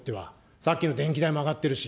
さっきの電気代も上がってるし。